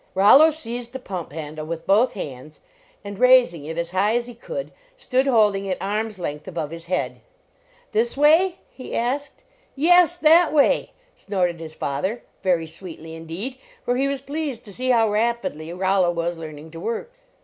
Rollo seized the pump handle with both 54 LEARNING TO WORK hands, and, raising it as high as he could, stood holding it arm s length above his head. " This way?" he asked. "Yes, that way!" snorted his father, very sweetly, indeed, for he was pleased to see how rapidly Rollo was learning to work.